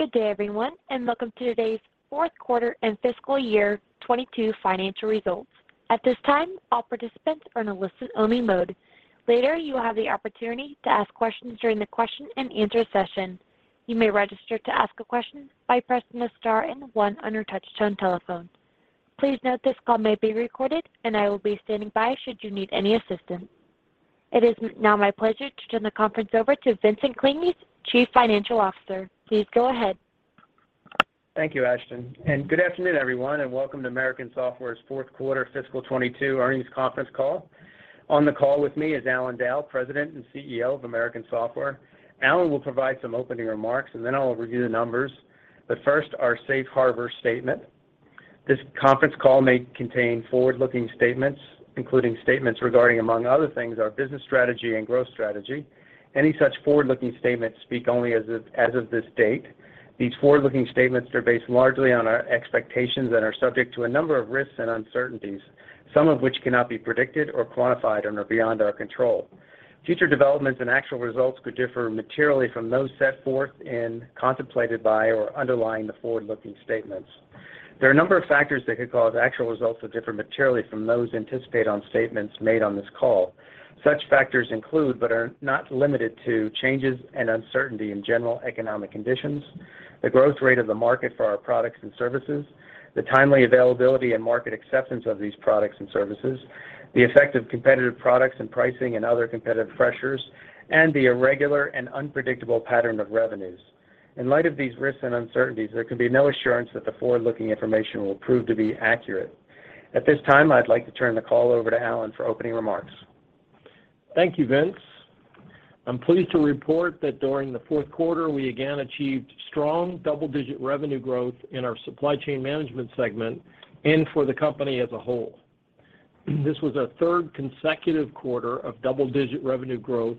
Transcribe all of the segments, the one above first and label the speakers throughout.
Speaker 1: Good day, everyone, and welcome to today's fourth quarter and fiscal year 2022 financial results. At this time, all participants are in a listen-only mode. Later, you will have the opportunity to ask questions during the question-and-answer session. You may register to ask a question by pressing the star and one on your touchtone telephone. Please note this call may be recorded, and I will be standing by should you need any assistance. It is now my pleasure to turn the conference over to Vincent Klinges, Chief Financial Officer. Please go ahead.
Speaker 2: Thank you, Ashton. Good afternoon, everyone, and welcome to American Software's fourth quarter fiscal 2022 earnings conference call. On the call with me is Allan Dow, President and CEO of American Software. Allan will provide some opening remarks, and then I'll review the numbers. First, our safe harbor statement. This conference call may contain forward-looking statements, including statements regarding, among other things, our business strategy and growth strategy. Any such forward-looking statements speak only as of this date. These forward-looking statements are based largely on our expectations and are subject to a number of risks and uncertainties, some of which cannot be predicted or quantified and are beyond our control. Future developments and actual results could differ materially from those set forth and contemplated by or underlying the forward-looking statements. There are a number of factors that could cause actual results to differ materially from those anticipated on statements made on this call. Such factors include, but are not limited to, changes and uncertainty in general economic conditions, the growth rate of the market for our products and services, the timely availability and market acceptance of these products and services, the effect of competitive products and pricing and other competitive pressures, and the irregular and unpredictable pattern of revenues. In light of these risks and uncertainties, there can be no assurance that the forward-looking information will prove to be accurate. At this time, I'd like to turn the call over to Allan for opening remarks.
Speaker 3: Thank you, Vince. I'm pleased to report that during the fourth quarter, we again achieved strong double-digit revenue growth in our supply chain management segment and for the company as a whole. This was our third consecutive quarter of double-digit revenue growth,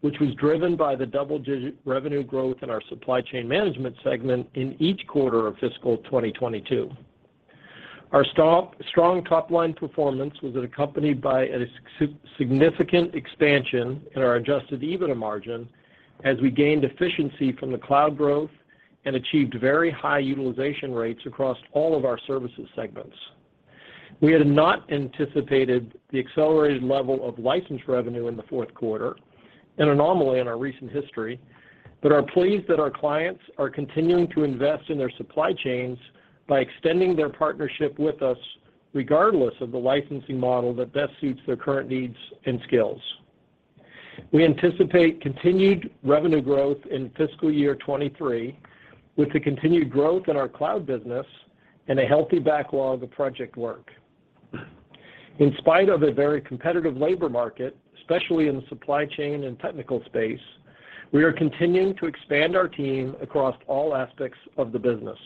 Speaker 3: which was driven by the double-digit revenue growth in our supply chain management segment in each quarter of fiscal 2022. Our strong top-line performance was accompanied by a significant expansion in our adjusted EBITDA margin as we gained efficiency from the cloud growth and achieved very high utilization rates across all of our services segments. We had not anticipated the accelerated level of license revenue in the fourth quarter, an anomaly in our recent history, but are pleased that our clients are continuing to invest in their supply chains by extending their partnership with us regardless of the licensing model that best suits their current needs and skills. We anticipate continued revenue growth in fiscal year 2023 with the continued growth in our cloud business and a healthy backlog of project work. In spite of a very competitive labor market, especially in the supply chain and technical space, we are continuing to expand our team across all aspects of the business.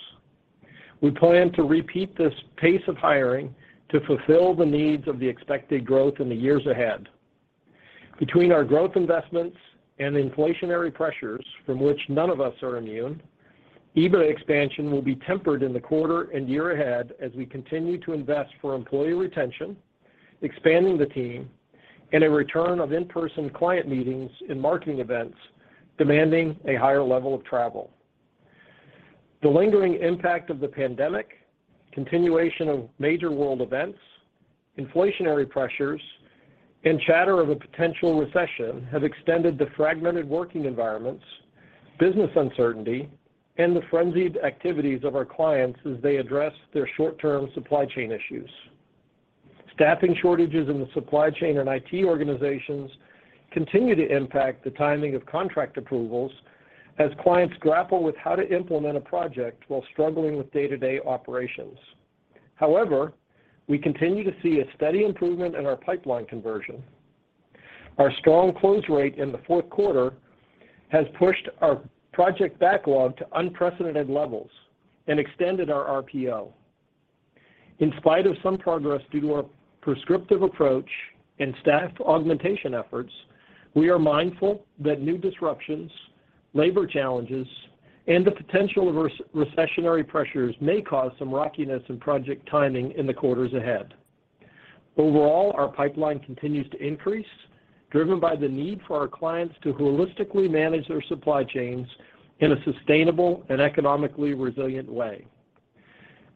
Speaker 3: We plan to repeat this pace of hiring to fulfill the needs of the expected growth in the years ahead. Between our growth investments and inflationary pressures from which none of us are immune, EBITDA expansion will be tempered in the quarter and year ahead as we continue to invest for employee retention, expanding the team, and a return of in-person client meetings and marketing events demanding a higher level of travel. The lingering impact of the pandemic, continuation of major world events, inflationary pressures, and chatter of a potential recession have extended the fragmented working environments, business uncertainty, and the frenzied activities of our clients as they address their short-term supply chain issues. Staffing shortages in the supply chain and IT organizations continue to impact the timing of contract approvals as clients grapple with how to implement a project while struggling with day-to-day operations. However, we continue to see a steady improvement in our pipeline conversion. Our strong close rate in the fourth quarter has pushed our project backlog to unprecedented levels and extended our RPO. In spite of some progress due to our prescriptive approach and staff augmentation efforts, we are mindful that new disruptions, labor challenges, and the potential for recessionary pressures may cause some rockiness in project timing in the quarters ahead. Overall, our pipeline continues to increase, driven by the need for our clients to holistically manage their supply chains in a sustainable and economically resilient way.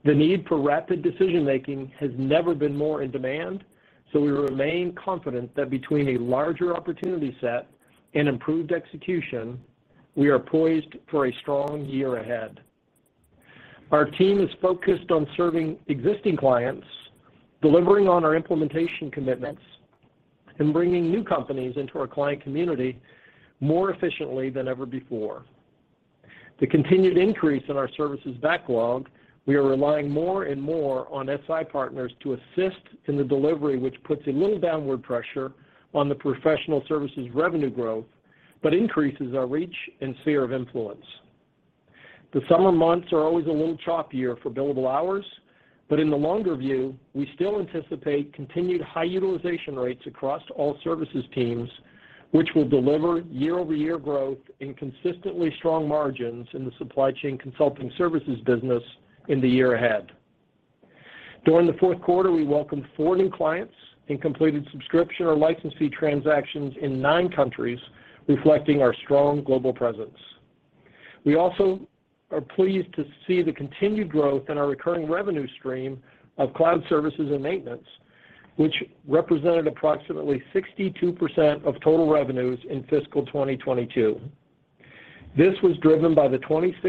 Speaker 3: The need for rapid decision-making has never been more in demand, so we remain confident that between a larger opportunity set and improved execution, we are poised for a strong year ahead. Our team is focused on serving existing clients, delivering on our implementation commitments, and bringing new companies into our client community more efficiently than ever before. The continued increase in our services backlog. We are relying more and more on SI partners to assist in the delivery, which puts a little downward pressure on the professional services revenue growth but increases our reach and sphere of influence. The summer months are always a little choppier for billable hours, but in the longer view, we still anticipate continued high utilization rates across all services teams, which will deliver year-over-year growth and consistently strong margins in the supply chain consulting services business in the year ahead. During the fourth quarter, we welcomed four new clients and completed subscription or license fee transactions in nine countries, reflecting our strong global presence. We also are pleased to see the continued growth in our recurring revenue stream of cloud services and maintenance, which represented approximately 62% of total revenues in fiscal 2022. This was driven by the 26%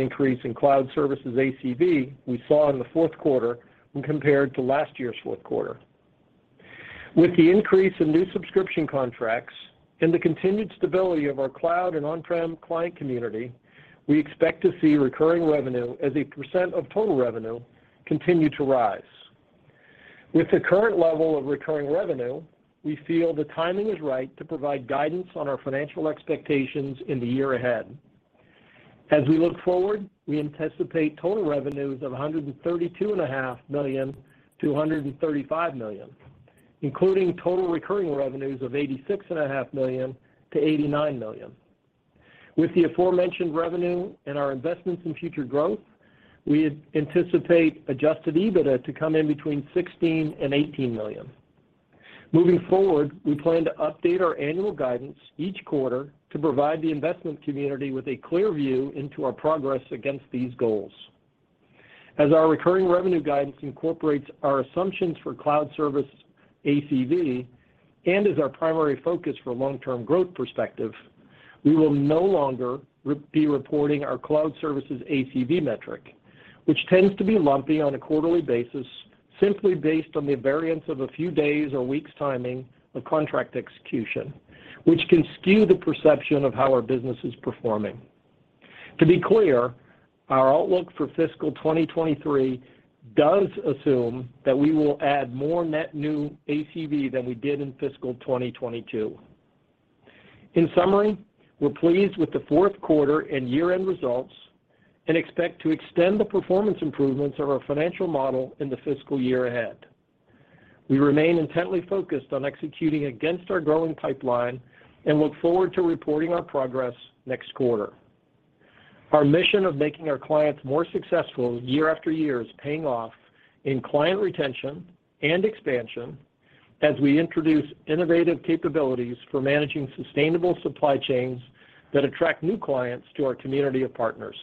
Speaker 3: increase in cloud services ACV we saw in the fourth quarter when compared to last year's fourth quarter. With the increase in new subscription contracts and the continued stability of our cloud and on-prem client community, we expect to see recurring revenue as a percent of total revenue continue to rise. With the current level of recurring revenue, we feel the timing is right to provide guidance on our financial expectations in the year ahead. As we look forward, we anticipate total revenues of $132.5-$135 million, including total recurring revenues of $86.5 million-$89 million. With the aforementioned revenue and our investments in future growth, we anticipate adjusted EBITDA to come in between $16 million and $18 million. Moving forward, we plan to update our annual guidance each quarter to provide the investment community with a clear view into our progress against these goals. As our recurring revenue guidance incorporates our assumptions for cloud service ACV and is our primary focus for long-term growth perspective, we will no longer be reporting our cloud services ACV metric, which tends to be lumpy on a quarterly basis simply based on the variance of a few days' or weeks' timing of contract execution, which can skew the perception of how our business is performing. To be clear, our outlook for fiscal 2023 does assume that we will add more net new ACV than we did in fiscal 2022. In summary, we're pleased with the fourth quarter and year-end results and expect to extend the performance improvements of our financial model in the fiscal year ahead. We remain intently focused on executing against our growing pipeline and look forward to reporting our progress next quarter. Our mission of making our clients more successful year after year is paying off in client retention and expansion as we introduce innovative capabilities for managing sustainable supply chains that attract new clients to our community of partners.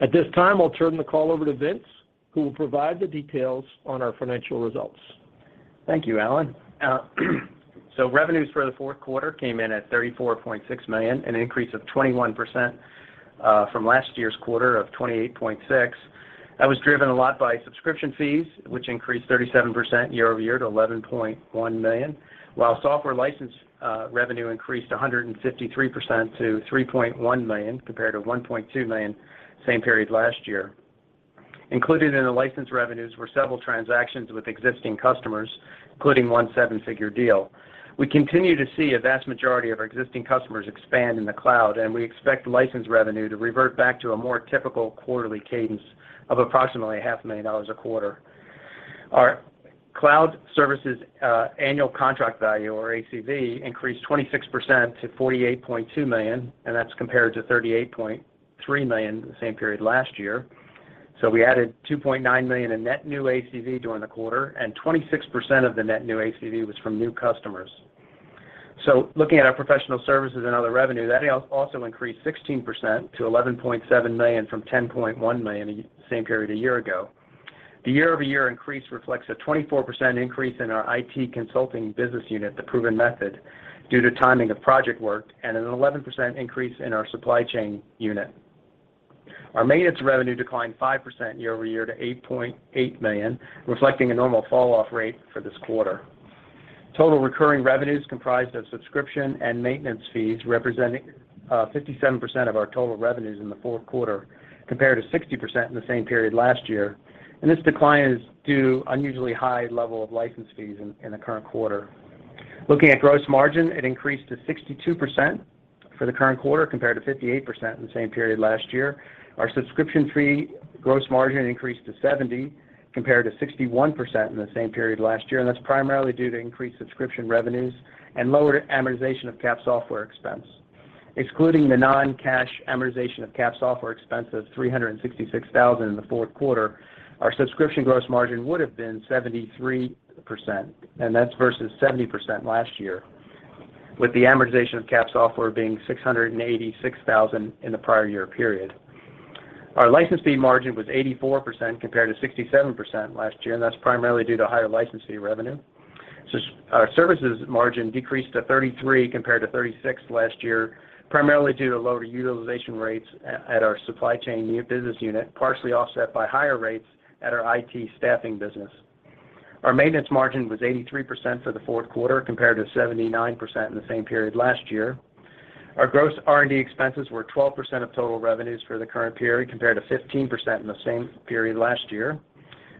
Speaker 3: At this time, I'll turn the call over to Vincent Klinges, who will provide the details on our financial results.
Speaker 2: Thank you, Allan. Revenues for the fourth quarter came in at $34.6 million, an increase of 21%, from last year's quarter of $28.6 million. That was driven a lot by subscription fees, which increased 37% year-over-year to $11.1 million, while software license revenue increased 153% to $3.1 million compared to $1.2 million same period last year. Included in the license revenues were several transactions with existing customers, including one seven-figure deal. We continue to see a vast majority of our existing customers expand in the cloud, and we expect license revenue to revert back to a more typical quarterly cadence of approximately a $500,000 a quarter. Our cloud services, annual contract value, or ACV, increased 26% to $48.2 million, and that's compared to $38.3 million the same period last year. We added $2.9 million in net new ACV during the quarter, and 26% of the net new ACV was from new customers. Looking at our professional services and other revenue, that also increased 16% to $11.7 million from $10.1 million the same period a year ago. The year-over-year increase reflects a 24% increase in our IT consulting business unit, The Proven Method, due to timing of project work, and an 11% increase in our supply chain unit. Our maintenance revenue declined 5% year-over-year to $8.8 million, reflecting a normal fall off rate for this quarter. Total recurring revenues comprised of subscription and maintenance fees representing 57% of our total revenues in the fourth quarter, compared to 60% in the same period last year. This decline is due to unusually high level of license fees in the current quarter. Looking at gross margin, it increased to 62% for the current quarter, compared to 58% in the same period last year. Our subscription fee gross margin increased to 70%, compared to 61% in the same period last year, and that's primarily due to increased subscription revenues and lower amortization of capitalized software expense. Excluding the non-cash amortization of capitalized software expense of $366,000 in the fourth quarter, our subscription gross margin would have been 73%, and that's versus 70% last year, with the amortization of capitalized software being $686,000 in the prior year period. Our license fee margin was 84% compared to 67% last year, and that's primarily due to higher license fee revenue. Services margin decreased to 33% compared to 36% last year, primarily due to lower utilization rates at our supply chain new business unit, partially offset by higher rates at our IT staffing business. Our maintenance margin was 83% for the fourth quarter, compared to 79% in the same period last year. Our gross R&D expenses were 12% of total revenues for the current period, compared to 15% in the same period last year.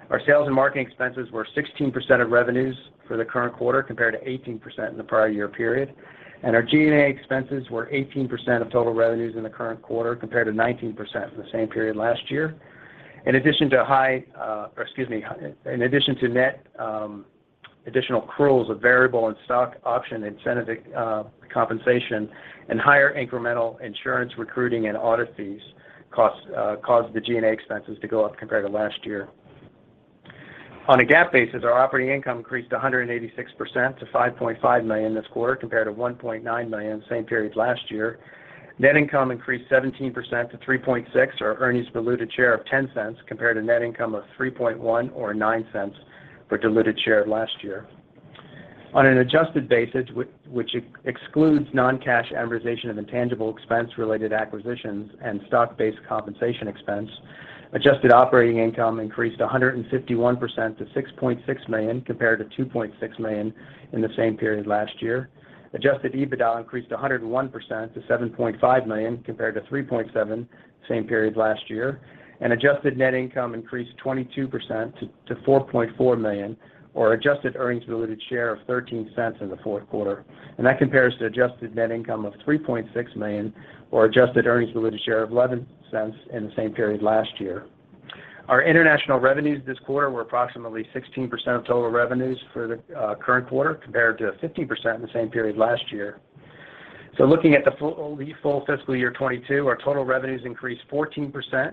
Speaker 2: Our sales and marketing expenses were 16% of revenues for the current quarter, compared to 18% in the prior year period. Our G&A expenses were 18% of total revenues in the current quarter, compared to 19% in the same period last year. In addition to net additional accruals of variable and stock option incentive compensation and higher incremental insurance recruiting and audit fees caused the G&A expenses to go up compared to last year. On a GAAP basis, our operating income increased 186% to $5.5 million this quarter, compared to $1.9 million same period last year. Net income increased 17% to $3.6 million, or earnings per diluted share of $0.10 compared to net income of $3.1 million or $0.09 per diluted share last year. On an adjusted basis, which excludes non-cash amortization of intangible expense related acquisitions and stock-based compensation expense, adjusted operating income increased 151% to $6.6 million compared to $2.6 million in the same period last year. Adjusted EBITDA increased 101% to $7.5 million compared to $3.7 million same period last year. Adjusted net income increased 22% to $4.4 million or adjusted earnings per diluted share of $0.13 in the fourth quarter. That compares to adjusted net income of $3.6 million or adjusted earnings per diluted share of $0.11 in the same period last year. Our international revenues this quarter were approximately 16% of total revenues for the current quarter compared to 15% in the same period last year. Looking at the full fiscal year 2022, our total revenues increased 14% to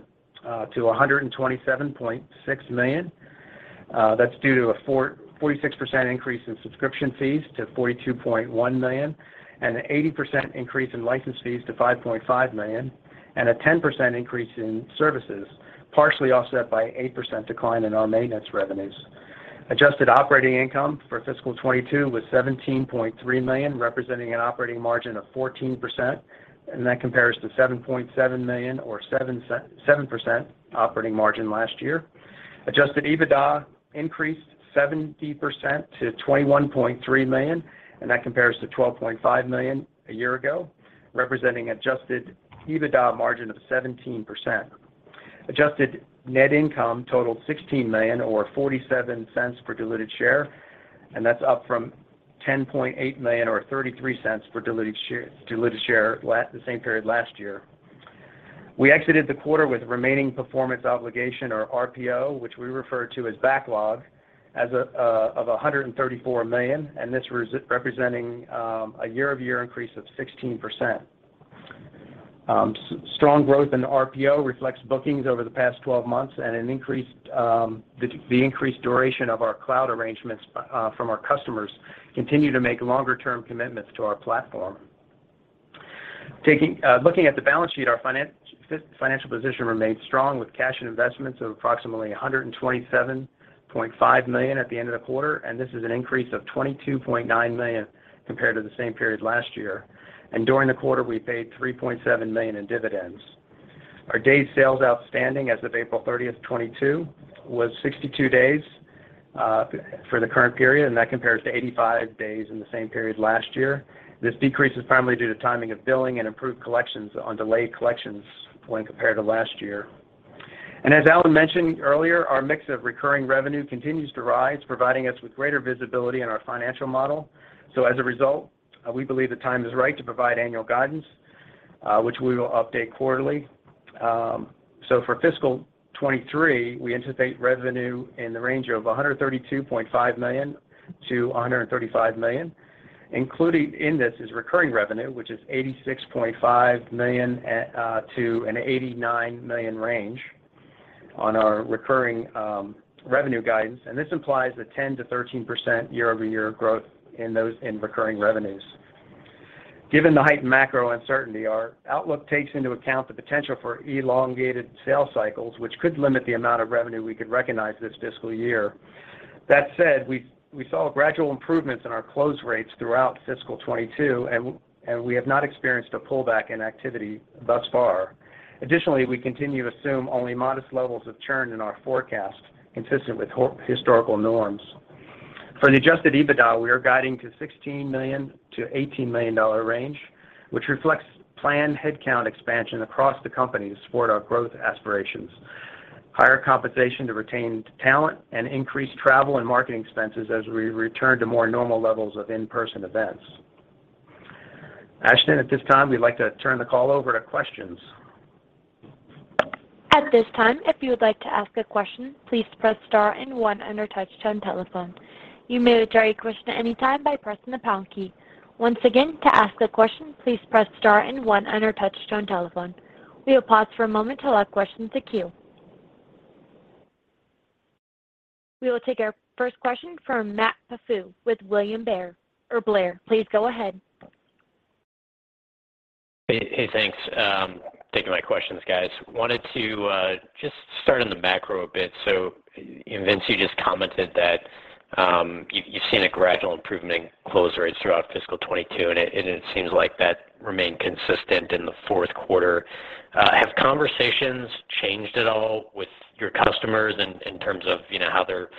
Speaker 2: $127.6 million. That's due to a 46% increase in subscription fees to $42.1 million, and an 80% increase in license fees to $5.5 million, and a 10% increase in services, partially offset by 8% decline in our maintenance revenues. Adjusted operating income for fiscal 2022 was $17.3 million, representing an operating margin of 14%, and that compares to $7.7 million or 7% operating margin last year. Adjusted EBITDA increased 70% to $21.3 million, and that compares to $12.5 million a year ago, representing adjusted EBITDA margin of 17%. Adjusted net income totaled $16 million or $0.47 per diluted share, and that's up from $10.8 million or $0.33 per diluted share the same period last year. We exited the quarter with remaining performance obligation or RPO, which we refer to as backlog, of $134 million, and this representing a year-over-year increase of 16%. Strong growth in RPO reflects bookings over the past 12 months and an increased duration of our cloud arrangements from our customers continue to make longer-term commitments to our platform. Looking at the balance sheet, our financial position remained strong with cash and investments of approximately $127.5 million at the end of the quarter, and this is an increase of $22.9 million compared to the same period last year. During the quarter, we paid $3.7 million in dividends. Our day sales outstanding as of April 30th, 2022 was 62 days for the current period, and that compares to 85 days in the same period last year. This decrease is primarily due to timing of billing and improved collections on delayed collections when compared to last year. As Allan mentioned earlier, our mix of recurring revenue continues to rise, providing us with greater visibility in our financial model. As a result, we believe the time is right to provide annual guidance, which we will update quarterly. For fiscal 2023, we anticipate revenue in the range of $132.5 million-$135 million. Included in this is recurring revenue, which is $86.5 million-$89 million range on our recurring revenue guidance. This implies a 10%-13% year-over-year growth in those in recurring revenues. Given the heightened macro uncertainty, our outlook takes into account the potential for elongated sales cycles, which could limit the amount of revenue we could recognize this fiscal year. That said, we saw gradual improvements in our close rates throughout fiscal 2022 and and we have not experienced a pullback in activity thus far. Additionally, we continue to assume only modest levels of churn in our forecast consistent with historical norms. For the adjusted EBITDA, we are guiding to $16 million-$18 million range, which reflects planned headcount expansion across the company to support our growth aspirations, higher compensation to retain talent, and increased travel and marketing expenses as we return to more normal levels of in-person events. Ashton, at this time, we'd like to turn the call over to questions.
Speaker 1: At this time, if you would like to ask a question, please press star and one on your touchtone telephone. You may withdraw your question at any time by pressing the pound key. Once again, to ask a question, please press star and one on your touchtone telephone. We will pause for a moment to allow questions to queue. We will take our first question from Matt Pfau with William Blair, or Blair. Please go ahead.
Speaker 4: Hey, thanks for taking my question guys, wanted to start in the macro a bit. So, you basically commented that you've seen a gradual improving close rates throughout the fiscal 2022 and it seems that remained consistent in the fourth quarter. Have Conversation changed at all with your customer in terms of how they're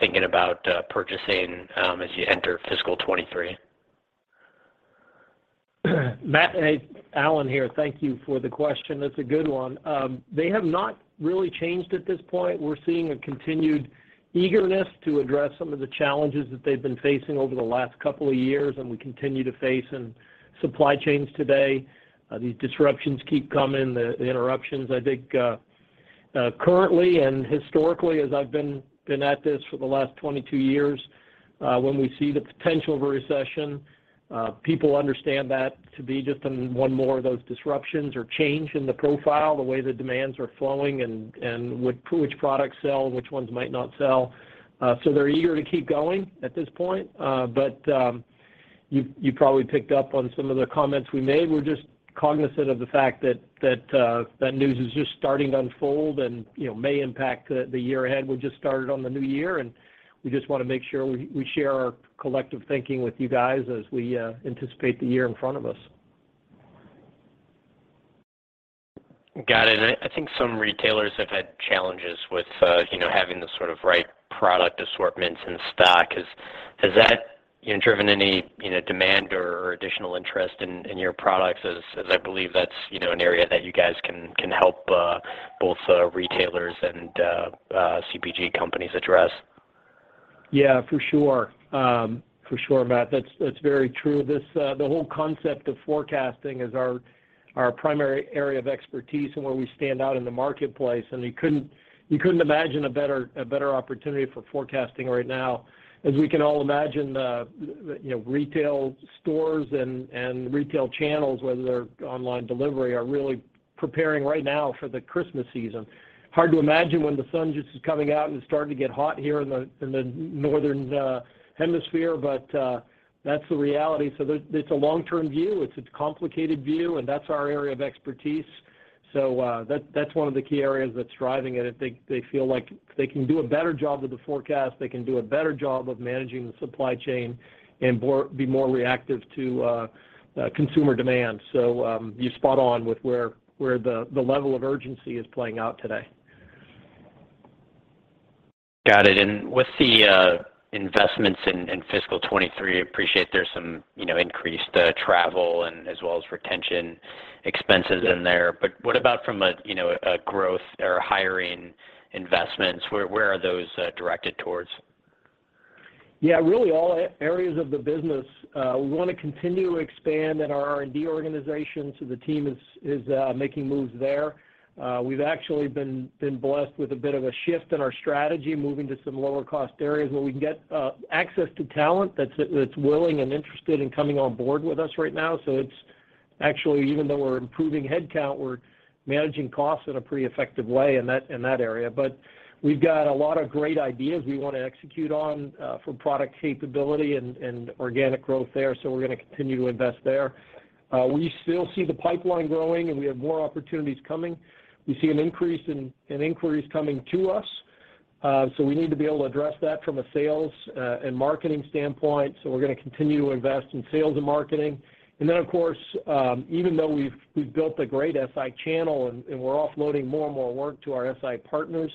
Speaker 4: thinking about purchasing as you enter fiscal 2023
Speaker 3: Hey, Allan here. Thank you for the question. That's a good one. They have not really changed at this point. We're seeing a continued eagerness to address some of the challenges that they've been facing over the last couple of years and will continue to face in supply chains today. These disruptions keep coming, the interruptions. I think. Currently and historically, as I've been at this for the last 22 years, when we see the potential of a recession, people understand that to be just one more of those disruptions or change in the profile, the way the demands are flowing and which products sell, which ones might not sell. They're eager to keep going at this point. You probably picked up on some of the comments we made. We're just cognizant of the fact that that news is just starting to unfold and, you know, may impact the year ahead. We just started on the new year, and we just wanna make sure we share our collective thinking with you guys as we anticipate the year in front of us.
Speaker 4: Got it. I think some retailers have had challenges with you know having the sort of right product assortments in stock. Has that you know driven any you know demand or additional interest in your products as I believe that's you know an area that you guys can help both retailers and CPG companies address?
Speaker 3: Yeah, for sure. For sure, Matt. That's very true. This, the whole concept of forecasting is our primary area of expertise and where we stand out in the marketplace, and you couldn't imagine a better opportunity for forecasting right now. As we can all imagine, the, you know, retail stores and retail channels, whether they're online delivery, are really preparing right now for the Christmas season. Hard to imagine when the sun just is coming out and it's starting to get hot here in the northern hemisphere, but that's the reality. It's a long-term view. It's a complicated view, and that's our area of expertise. So, that's one of the key areas that's driving it. I think they feel like they can do a better job with the forecast. They can do a better job of managing the supply chain and be more reactive to consumer demand. You're spot on with where the level of urgency is playing out today.
Speaker 4: Got it. With the investments in fiscal 2023, appreciate there's some, you know, increased travel and as well as retention expenses in there. What about from a, you know, a growth or hiring investments, where are those directed towards?
Speaker 3: Yeah. Really all areas of the business. We wanna continue to expand in our R&D organization, so the team is making moves there. We've actually been blessed with a bit of a shift in our strategy, moving to some lower cost areas where we can get access to talent that's willing and interested in coming on board with us right now. It's actually, even though we're improving headcount, we're managing costs in a pretty effective way in that area. We've got a lot of great ideas we wanna execute on for product capability and organic growth there, so we're gonna continue to invest there. We still see the pipeline growing, and we have more opportunities coming. We see an increase in inquiries coming to us, so we need to be able to address that from a sales and marketing standpoint, so we're gonna continue to invest in sales and marketing. Then, of course, even though we've built a great SI channel and we're offloading more and more work to our SI partners,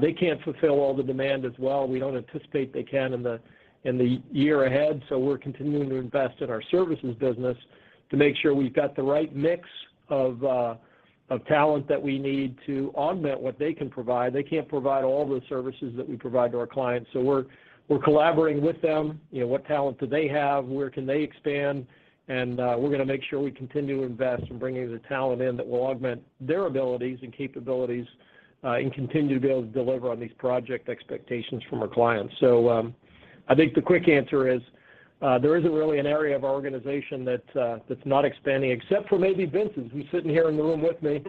Speaker 3: they can't fulfill all the demand as well. We don't anticipate they can in the year ahead, so we're continuing to invest in our services business to make sure we've got the right mix of talent that we need to augment what they can provide. They can't provide all the services that we provide to our clients, so we're collaborating with them. You know, what talent do they have? Where can they expand? We're gonna make sure we continue to invest in bringing the talent in that will augment their abilities and capabilities, and continue to be able to deliver on these project expectations from our clients. I think the quick answer is, there isn't really an area of our organization that's not expanding, except for maybe Vince's, who's sitting here in the room with me.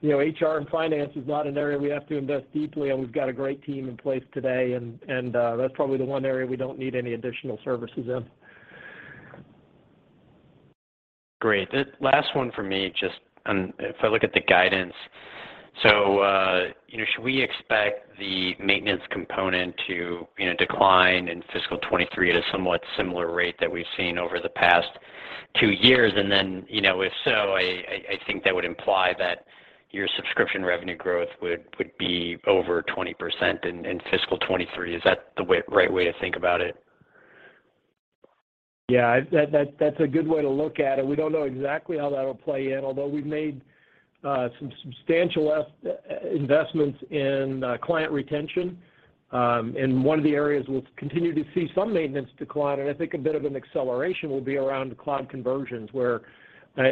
Speaker 3: You know, HR and finance is not an area we have to invest deeply, and we've got a great team in place today, and that's probably the one area we don't need any additional services in.
Speaker 4: Great. The last one for me, just, if I look at the guidance. You know, should we expect the maintenance component to, you know, decline in fiscal 2023 at a somewhat similar rate that we've seen over the past two years? You know, if so, I think that would imply that your subscription revenue growth would be over 20% in fiscal 2023. Is that the right way to think about it?
Speaker 3: Yeah. That's a good way to look at it. We don't know exactly how that'll play in, although we've made some substantial investments in client retention. One of the areas we'll continue to see some maintenance decline, and I think a bit of an acceleration will be around cloud conversions, where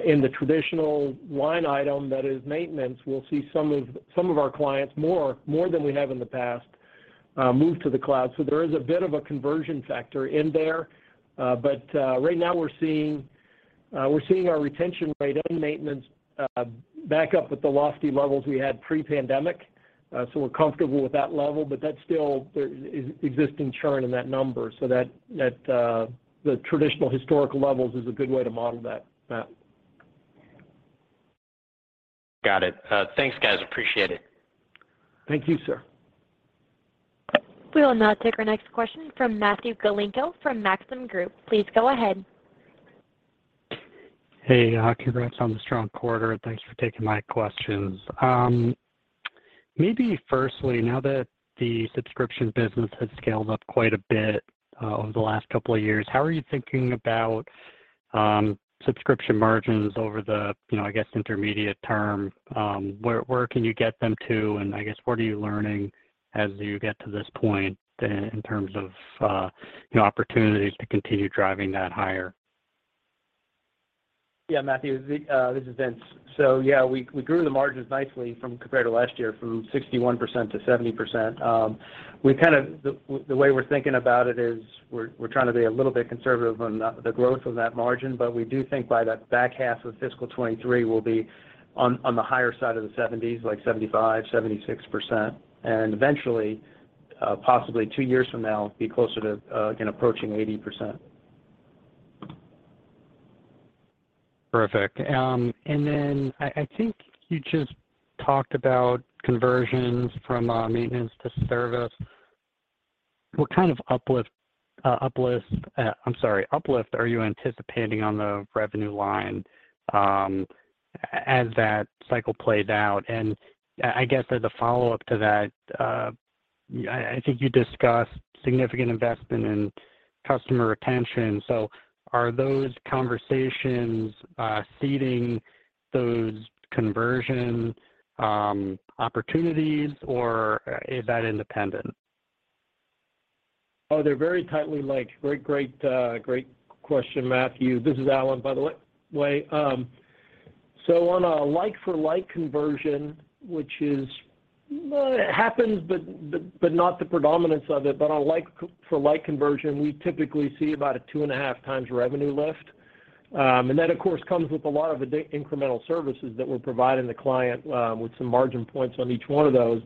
Speaker 3: in the traditional line item that is maintenance, we'll see some of our clients more than we have in the past move to the cloud. So there is a bit of a conversion factor in there. But right now we're seeing our retention rate and maintenance back up with the lofty levels we had pre-pandemic. So we're comfortable with that level, but that's still there is existing churn in that number. So that the traditional historical levels is a good way to model that, Matt.
Speaker 4: Got it. Thanks, guys. Appreciate it.
Speaker 3: Thank you, sir.
Speaker 1: We will now take our next question from Matthew Galinko from Maxim Group. Please go ahead.
Speaker 5: Hey, congrats on the strong quarter, and thanks for taking my questions. Maybe firstly, now that the subscription business has scaled up quite a bit, over the last couple of years, how are you thinking about subscription margins over the, you know, I guess, intermediate term? Where can you get them to? I guess, what are you learning as you get to this point in terms of, you know, opportunities to continue driving that higher?
Speaker 2: Yeah, Matthew, this is Vince. So yeah, we grew the margins nicely from compared to last year, from 61%-70%. The way we're thinking about it is we're trying to be a little bit conservative on the growth of that margin, but we do think by the back half of fiscal 2023, we'll be on the higher side of the seventies, like 75%-76%. Eventually, possibly two years from now, be closer to again approaching 80%.
Speaker 5: Perfect. I think you just talked about conversions from maintenance to service. What kind of uplift are you anticipating on the revenue line as that cycle plays out? I guess as a follow-up to that, I think you discussed significant investment in customer retention. Are those conversations seeding those conversion opportunities or is that independent?
Speaker 3: They're very tightly linked. Great question, Matthew. This is Allan, by the way. So on a like for like conversion, which is. It happens, but not the predominance of it. On a like for like conversion, we typically see about a 2.5x revenue lift. And that of course comes with a lot of incremental services that we're providing the client, with some margin points on each one of those.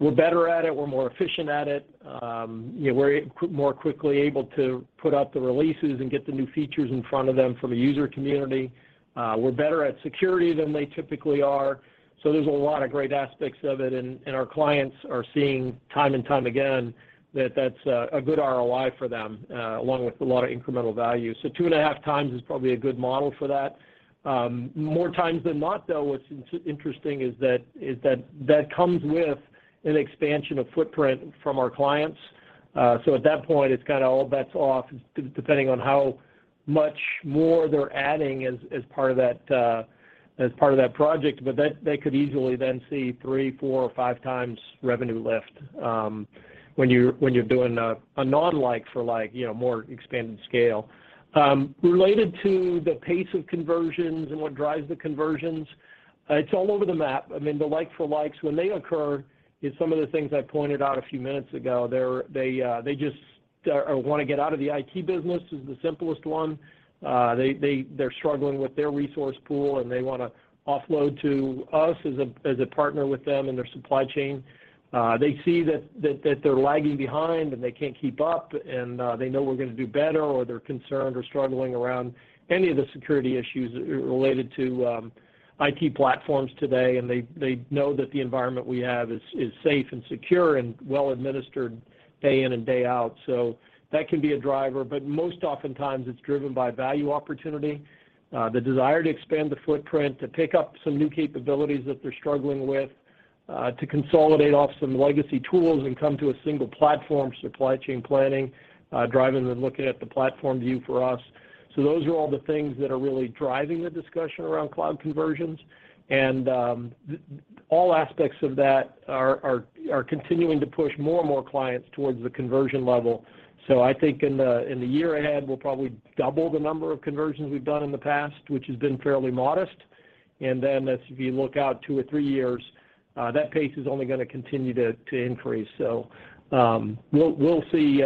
Speaker 3: We're better at it. We're more efficient at it. You know, we're more quickly able to put out the releases and get the new features in front of them from a user community. We're better at security than they typically are. There's a lot of great aspects of it, and our clients are seeing time and time again that that's a good ROI for them, along with a lot of incremental value. 2.5x is probably a good model for that. More times than not, though, what's interesting is that that comes with an expansion of footprint from our clients. At that point, it's kind of all bets are off depending on how much more they're adding as part of that project. That, they could easily then see three, four, or five times revenue lift, when you're doing a non-like-for-like, you know, more expanded scale. Related to the pace of conversions and what drives the conversions, it's all over the map. I mean, the like for likes, when they occur is some of the things I pointed out a few minutes ago. They just want to get out of the IT business is the simplest one. They're struggling with their resource pool, and they wanna offload to us as a partner with them in their supply chain. They see that they're lagging behind, and they can't keep up, and they know we're gonna do better, or they're concerned or struggling around any of the security issues related to IT platforms today, and they know that the environment we have is safe and secure and well administered day in and day out. That can be a driver, but most oftentimes it's driven by value opportunity, the desire to expand the footprint, to pick up some new capabilities that they're struggling with, to consolidate off some legacy tools and come to a single platform, supply chain planning, driving and looking at the platform view for us. Those are all the things that are really driving the discussion around cloud conversions. All aspects of that are continuing to push more and more clients towards the conversion level. I think in the year ahead, we'll probably double the number of conversions we've done in the past, which has been fairly modest. As you look out two or three years, that pace is only gonna continue to increase. We'll see.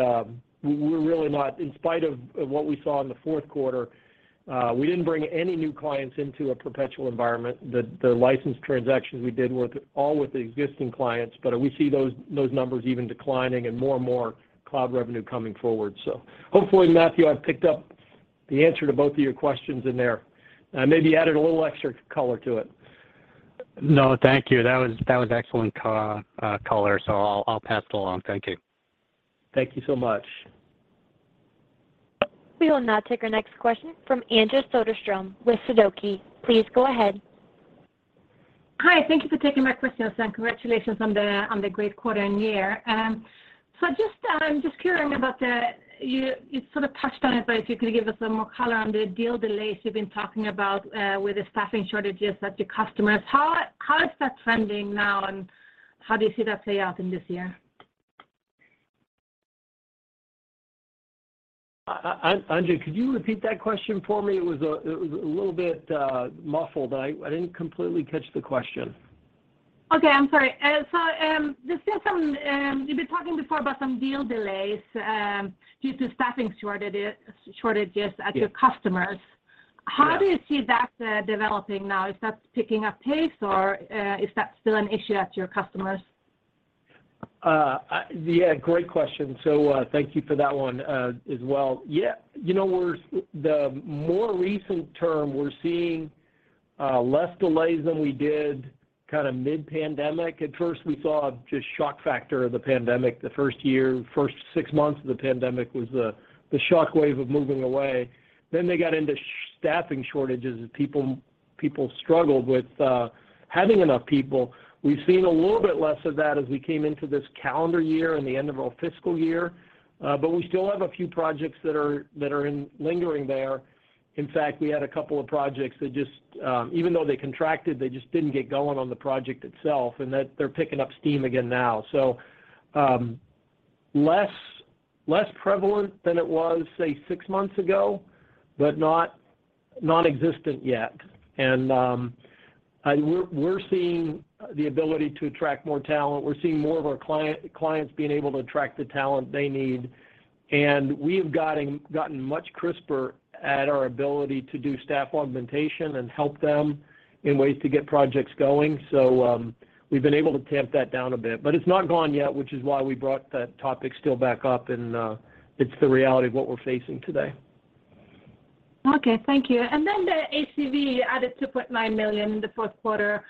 Speaker 3: In spite of what we saw in the fourth quarter, we didn't bring any new clients into a perpetual environment. The license transactions we did were all with existing clients, but we see those numbers even declining and more and more cloud revenue coming forward. Hopefully, Matthew, I've picked up the answer to both of your questions in there. I maybe added a little extra color to it.
Speaker 5: No, thank you. That was excellent color, so I'll pass it along. Thank you.
Speaker 3: Thank you so much.
Speaker 1: We will now take our next question from Anja Soderstrom with Sidoti. Please go ahead.
Speaker 6: Hi. Thank you for taking my questions, and congratulations on the great quarter and year. You sort of touched on it, but if you could give us some more color on the deal delays you've been talking about, with the staffing shortages at your customers. How is that trending now, and how do you see that play out in this year?
Speaker 3: Anja, could you repeat that question for me? It was a little bit muffled. I didn't completely catch the question.
Speaker 6: Okay, I'm sorry. There's been some. You've been talking before about some deal delays due to staffing shortages at your customers.
Speaker 3: Yes. Yeah.
Speaker 6: How do you see that developing now? Is that picking up pace or is that still an issue at your customers?
Speaker 3: Yeah, great question. Thank you for that one, as well. Yeah, you know, the more recent term, we're seeing less delays than we did kind of mid-pandemic. At first, we saw just shock factor of the pandemic. The first year, first six months of the pandemic was the shockwave of moving away. They got into staffing shortages as people struggled with having enough people. We've seen a little bit less of that as we came into this calendar year and the end of our fiscal year, but we still have a few projects that are lingering there. In fact, we had a couple of projects that just even though they contracted, they just didn't get going on the project itself, and that they're picking up steam again now. Less prevalent than it was, say, six months ago, but not nonexistent yet. We're seeing the ability to attract more talent. We're seeing more of our clients being able to attract the talent they need, and we have gotten much crisper at our ability to do staff augmentation and help them in ways to get projects going. We've been able to tamp that down a bit, but it's not gone yet, which is why we brought the topic still back up, it's the reality of what we're facing today.
Speaker 6: Okay. Thank you. Then the ACV added $2.9 million in the fourth quarter,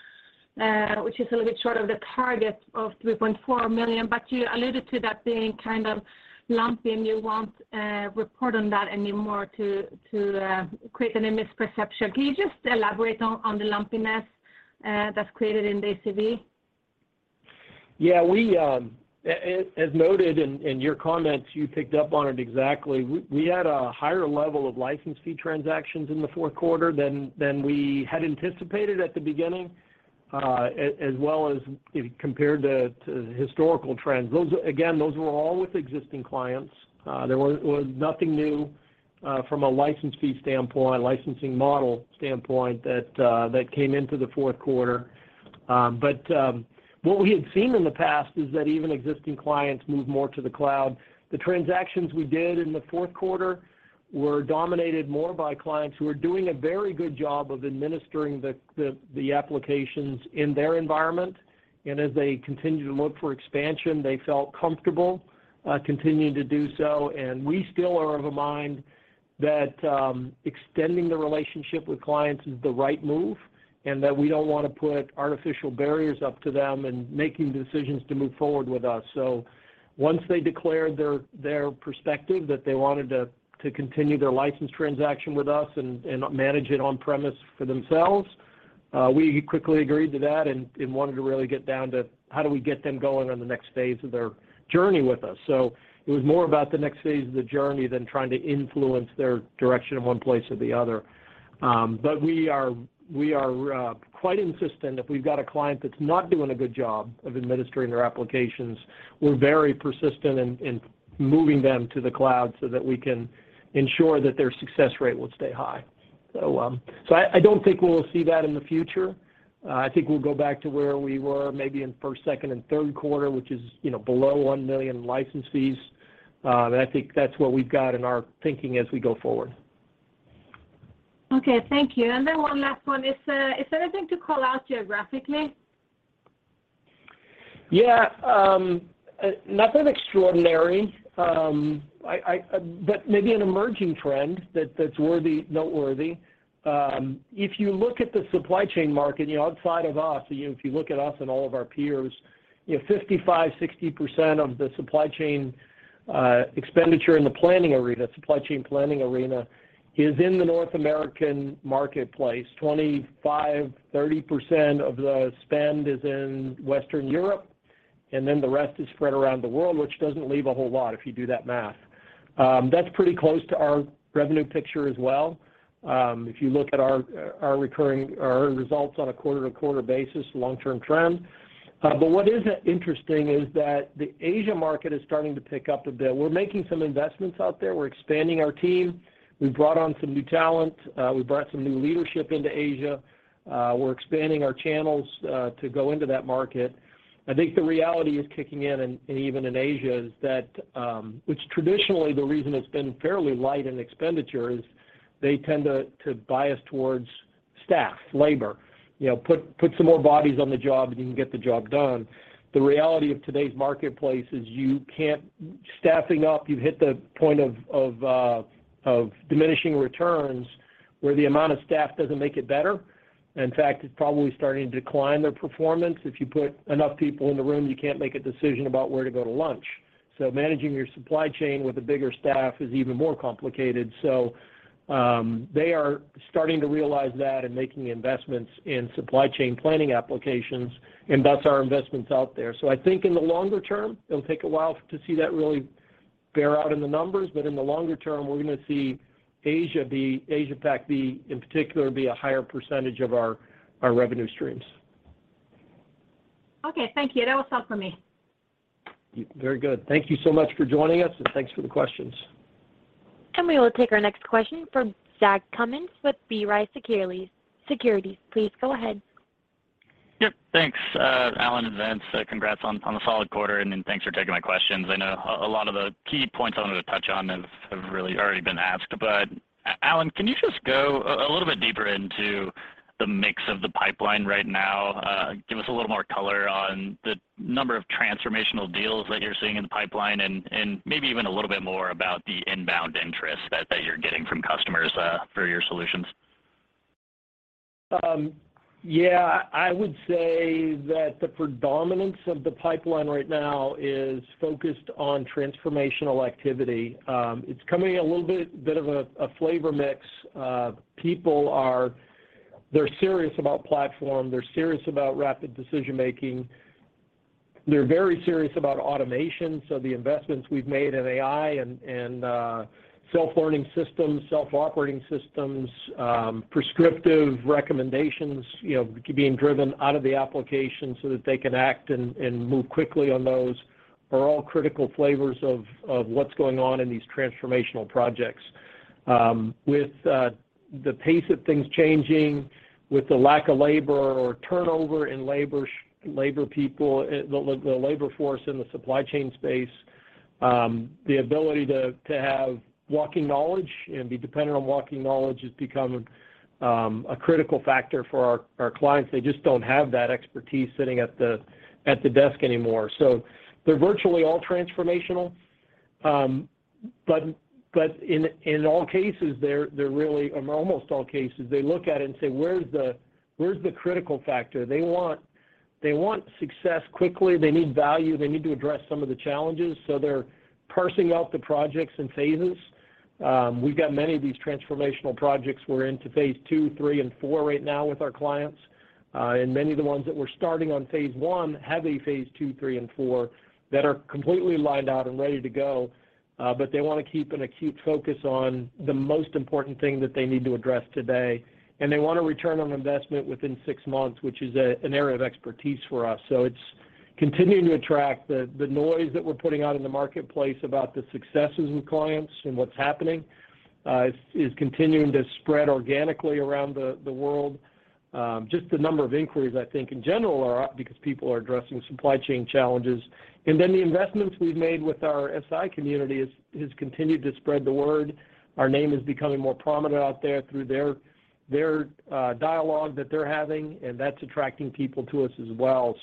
Speaker 6: which is a little bit short of the target of $3.4 million, but you alluded to that being kind of lumpy, and you won't report on that anymore to create any misperception. Can you just elaborate on the lumpiness that's created in the ACV?
Speaker 3: Yeah. As noted in your comments, you picked up on it exactly. We had a higher level of license fee transactions in the fourth quarter than we had anticipated at the beginning, as well as compared to historical trends. Those, again, those were all with existing clients. There was nothing new from a license fee standpoint, licensing model standpoint that came into the fourth quarter. What we had seen in the past is that even existing clients move more to the cloud. The transactions we did in the fourth quarter were dominated more by clients who are doing a very good job of administering the applications in their environment, and as they continue to look for expansion, they felt comfortable continuing to do so. We still are of a mind that extending the relationship with clients is the right move, and that we don't wanna put artificial barriers up to them in making decisions to move forward with us. Once they declare their perspective that they wanted to continue their license transaction with us and manage it on premise for themselves, we quickly agreed to that and wanted to really get down to how do we get them going on the next phase of their journey with us. It was more about the next phase of the journey than trying to influence their direction in one place or the other. We are quite insistent if we've got a client that's not doing a good job of administering their applications. We're very persistent in moving them to the cloud so that we can ensure that their success rate will stay high. I don't think we'll see that in the future. I think we'll go back to where we were maybe in first, second, and third quarter, which is, you know, below $1 million license fees. I think that's what we've got in our thinking as we go forward.
Speaker 6: Okay. Thank you. One last one. Is there anything to call out geographically?
Speaker 3: Nothing extraordinary. Maybe an emerging trend that's noteworthy. If you look at the supply chain market, you know, outside of us, you know, if you look at us and all of our peers, you know, 55%-60% of the supply chain expenditure in the planning arena, supply chain planning arena, is in the North American marketplace. 25%-30% of the spend is in Western Europe, and then the rest is spread around the world, which doesn't leave a whole lot if you do that math. That's pretty close to our revenue picture as well, if you look at our results on a quarter-to-quarter basis long-term trend. What is interesting is that the Asian market is starting to pick up a bit. We're making some investments out there. We're expanding our team. We've brought on some new talent. We've brought some new leadership into Asia. We're expanding our channels to go into that market. I think the reality is kicking in, and even in Asia is that, which traditionally the reason it's been fairly light in expenditure is they tend to bias towards staff, labor. You know, put some more bodies on the job, and you can get the job done. The reality of today's marketplace is you can't. Staffing up, you've hit the point of of diminishing returns, where the amount of staff doesn't make it better. In fact, it's probably starting to decline their performance. If you put enough people in the room, you can't make a decision about where to go to lunch. Managing your supply chain with a bigger staff is even more complicated. They are starting to realize that and making investments in supply chain planning applications, and that's our investments out there. I think in the longer term, it'll take a while to see that really bear out in the numbers, but in the longer term, we're gonna see Asia Pac, in particular, be a higher percentage of our revenue streams.
Speaker 6: Okay. Thank you. That was all for me.
Speaker 3: Very good. Thank you so much for joining us, and thanks for the questions.
Speaker 1: We will take our next question from Zach Cummins with B. Riley Securities. Please go ahead.
Speaker 7: Yep. Thanks, Allan and Vince. Congrats on the solid quarter, and then thanks for taking my questions. I know a lot of the key points I wanted to touch on have really already been asked. Alan, can you just go a little bit deeper into the mix of the pipeline right now? Give us a little more color on the number of transformational deals that you're seeing in the pipeline and maybe even a little bit more about the inbound interest that you're getting from customers for your solutions.
Speaker 3: Yeah. I would say that the predominance of the pipeline right now is focused on transformational activity. It's coming a little bit of a flavor mix. They're serious about platform. They're serious about rapid decision-making. They're very serious about automation, so the investments we've made in AI and self-learning systems, self-operating systems, prescriptive recommendations, you know, being driven out of the application so that they can act and move quickly on those are all critical flavors of what's going on in these transformational projects. With the pace of things changing, with the lack of labor or turnover in the labor force in the supply chain space, the ability to have walking knowledge and be dependent on walking knowledge has become a critical factor for our clients. They just don't have that expertise sitting at the desk anymore. They're virtually all transformational. In all cases they're really or almost all cases, they look at it and say, "Where's the critical factor?" They want success quickly. They need value. They need to address some of the challenges, so they're parsing out the projects in phases. We've got many of these transformational projects, we're into phase two, three, and four right now with our clients. Many of the ones that we're starting on phase I have a phase II, III, and IV that are completely lined out and ready to go, but they wanna keep an acute focus on the most important thing that they need to address today, and they want a return on investment within 6 months, which is an area of expertise for us. It's continuing to attract. The noise that we're putting out in the marketplace about the successes with clients and what's happening is continuing to spread organically around the world. Just the number of inquiries I think in general are up because people are addressing supply chain challenges. The investments we've made with our SI community has continued to spread the word. Our name is becoming more prominent out there through their dialogue that they're having, and that's attracting people to us as well.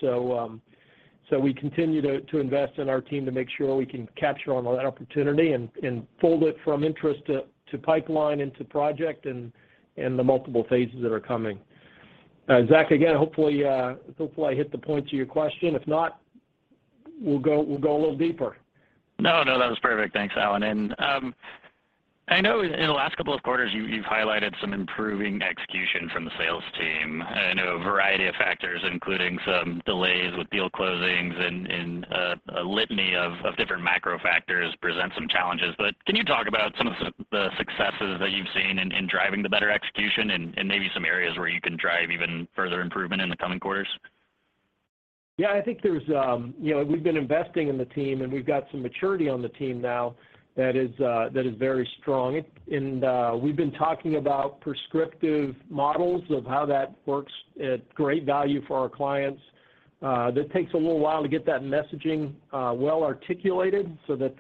Speaker 3: We continue to invest in our team to make sure we can capture on all that opportunity and fold it from interest to pipeline into project in the multiple phases that are coming. Zach, again, hopefully I hit the point to your question. If not, we'll go a little deeper.
Speaker 7: No, no. That was perfect. Thanks, Allan. I know in the last couple of quarters you've highlighted some improving execution from the sales team. I know a variety of factors, including some delays with deal closings, a litany of different macro factors present some challenges. Can you talk about some of the successes that you've seen in driving the better execution and maybe some areas where you can drive even further improvement in the coming quarters?
Speaker 3: Yeah. I think there's. You know, we've been investing in the team, and we've got some maturity on the team now that is very strong. We've been talking about prescriptive models of how that works at great value for our clients. That takes a little while to get that messaging well articulated so that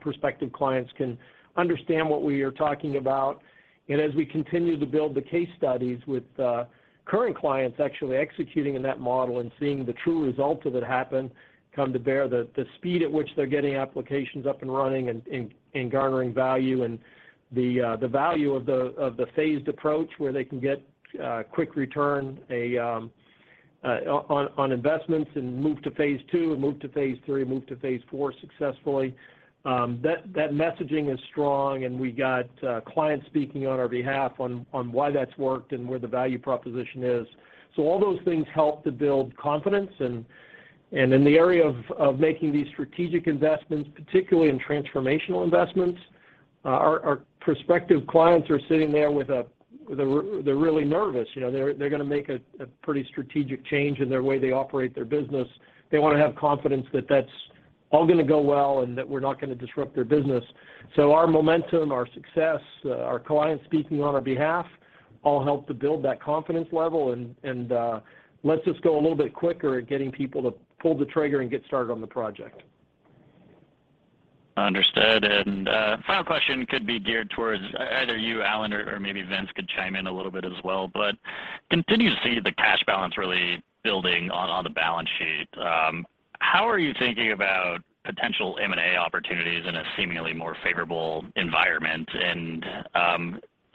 Speaker 3: prospective clients can understand what we are talking about. As we continue to build the case studies with current clients actually executing in that model and seeing the true results of it happen come to bear, the speed at which they're getting applications up and running and garnering value and the value of the phased approach where they can get quick return on investments and move to phase two and move to phase three, move to phase four successfully, that messaging is strong and we got clients speaking on our behalf on why that's worked and where the value proposition is. All those things help to build confidence and in the area of making these strategic investments, particularly in transformational investments, our prospective clients are sitting there with a. They're really nervous. You know, they're gonna make a pretty strategic change in the way they operate their business. They wanna have confidence that that's all gonna go well and that we're not gonna disrupt their business. Our momentum, our success, our clients speaking on our behalf all help to build that confidence level and lets us go a little bit quicker at getting people to pull the trigger and get started on the project.
Speaker 7: Understood. Final question could be geared towards either you, Allan, or maybe Vincent could chime in a little bit as well. Continue to see the cash balance really building on the balance sheet. How are you thinking about potential M&A opportunities in a seemingly more favorable environment and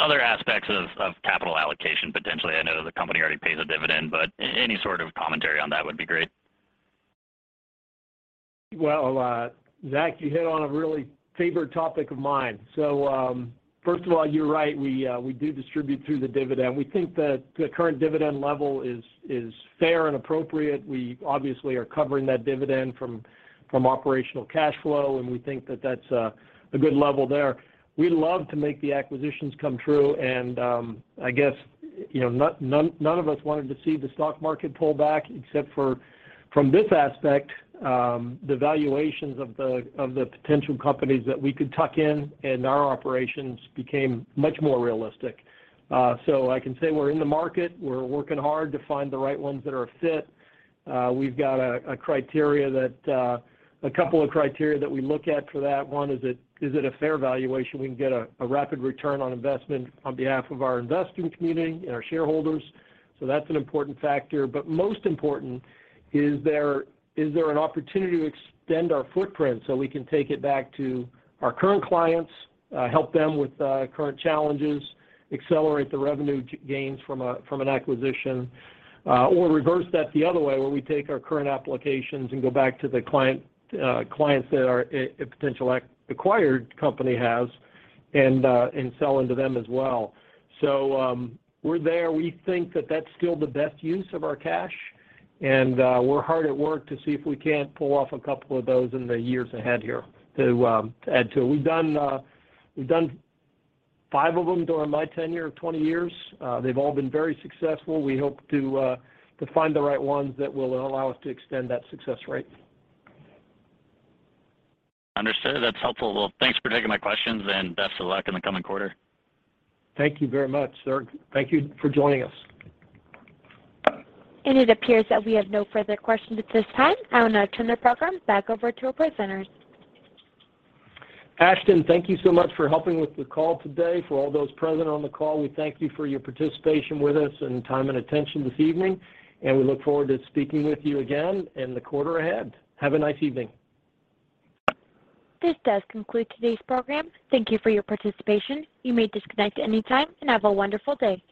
Speaker 7: other aspects of capital allocation potentially? I know the company already pays a dividend, but any sort of commentary on that would be great.
Speaker 3: Well, Zach, you hit on a really favorite topic of mine. First of all, you're right, we do distribute through the dividend. We think that the current dividend level is fair and appropriate. We obviously are covering that dividend from operational cash flow, and we think that that's a good level there. We love to make the acquisitions come true and, I guess, you know, none of us wanted to see the stock market pull back except for, from this aspect, the valuations of the potential companies that we could tuck in, and our operations became much more realistic. I can say we're in the market. We're working hard to find the right ones that are a fit. We've got a couple of criteria that we look at for that. One, is it a fair valuation? We can get a rapid return on investment on behalf of our investing community and our shareholders, so that's an important factor. Most important, is there an opportunity to extend our footprint so we can take it back to our current clients, help them with current challenges, accelerate the revenue gains from an acquisition, or reverse that the other way, where we take our current applications and go back to the clients that our potential acquired company has and sell into them as well. We're there. We think that that's still the best use of our cash, and we're hard at work to see if we can't pull off a couple of those in the years ahead here to add to. We've done five of them during my tenure of 20 years. They've all been very successful. We hope to find the right ones that will allow us to extend that success rate.
Speaker 7: Understood. That's helpful. Well, thanks for taking my questions, and best of luck in the coming quarter.
Speaker 3: Thank you very much, sir. Thank you for joining us.
Speaker 1: It appears that we have no further questions at this time. I will now turn the program back over to our presenters.
Speaker 3: Ashton, thank you so much for helping with the call today. For all those present on the call, we thank you for your participation with us and time and attention this evening, and we look forward to speaking with you again in the quarter ahead. Have a nice evening.
Speaker 1: This does conclude today's program. Thank you for your participation. You may disconnect at any time, and have a wonderful day.